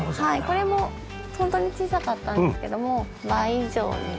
これもホントに小さかったんですけども倍以上に。